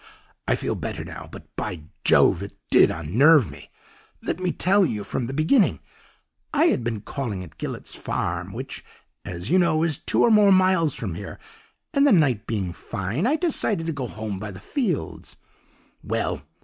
'I feel better now but, by jove! it DID unnerve me. Let me tell you from the beginning. I had been calling at Gillet's Farm, which, as you know, is two or more miles from here, and the night being fine, I decided to go home by the fields. Well!